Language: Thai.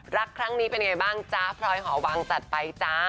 รักครั้งนี้เป็นยังไงบ้างจ๊ะพลอยหอวังจัดไปจ้า